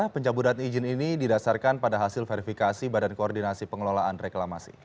pencabutan izin ini didasarkan pada hasil verifikasi badan koordinasi pengelolaan reklamasi